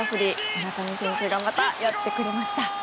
村上選手がまたやってくれました。